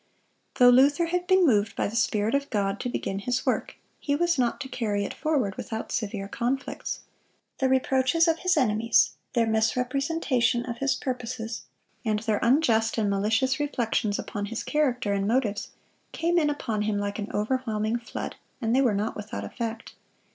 (176) Though Luther had been moved by the Spirit of God to begin his work, he was not to carry it forward without severe conflicts. The reproaches of his enemies, their misrepresentation of his purposes, and their unjust and malicious reflections upon his character and motives, came in upon him like an overwhelming flood; and they were not without effect.